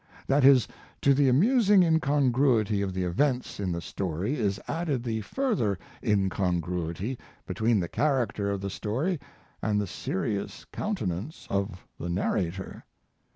That is, to the amusing incongruity of the events in the story is added the further incongruity between the character of the story and the serious countenance of the narrator.